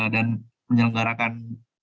dan menjalankan kesehatan